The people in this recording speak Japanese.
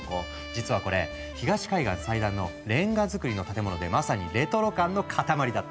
実はこれ東海岸最大のレンガ造りの建物でまさにレトロ感の塊だった。